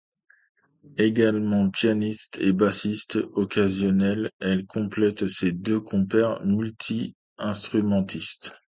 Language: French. Également pianiste et bassiste occasionnelle, elle complète ses deux compères multi-instrumentistes.